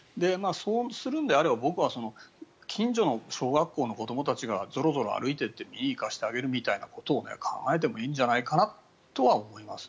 そうするのであれば、僕は近所の小学校の子どもたちがぞろぞろ歩いていって見に行かせてあげるみたいなことを考えてもいいんじゃないかなとは思います。